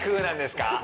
なんですか？